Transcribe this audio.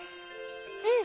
うん。